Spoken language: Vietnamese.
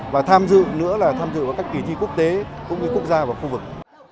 và tham dự nữa là tham dự vào các kỳ thi quốc tế cũng như quốc gia và khu vực